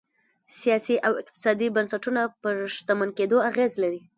سیاسي او اقتصادي بنسټونه پر شتمن کېدو اغېز لري.